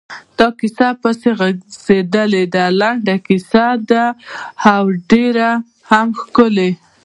دا کیسه پسې غځېدلې ده، لنډه کیسه ده او ډېره هم ښکلې.